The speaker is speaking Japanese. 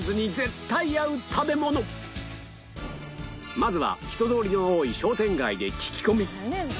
まずは人通りの多い商店街で聞き込み